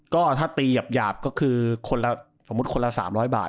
ก็ถ้าตีหยาบก็คือคนละสมมุติคนละ๓๐๐บาท